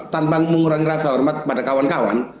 tanpa mengurangi rasa hormat kepada kawan kawan